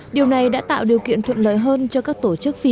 điều này đã tạo điều kiện thuận lợi hơn cho các tổ chức phi